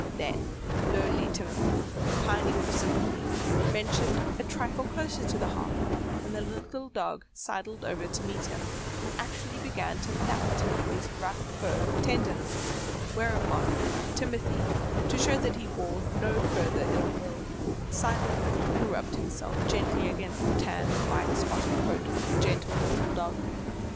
Then lonely Timothy, pining for sympathy, ventured a trifle closer to the hearth, and the little dog sidled over to meet him, and actually began to lap Timothy's rough fur tenderly, whereupon Timothy, to show that he bore no further ill will, sidled and rubbed himself gently against the tan and white spotted coat of the gentle little dog.